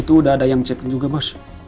itu udah ada yang ceknya juga bos